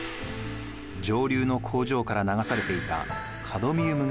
上流の工場から流されていたカドミウムが原因でした。